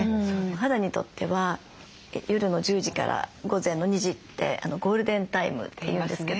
お肌にとっては夜の１０時から午前の２時ってゴールデンタイムって言うんですけどね。